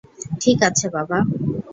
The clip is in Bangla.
ঠিক আছে, বাবা।